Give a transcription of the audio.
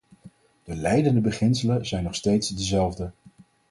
De leidende beginselen zijn nog steeds dezelfde.